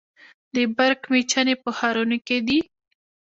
د برق میچنې په ښارونو کې دي.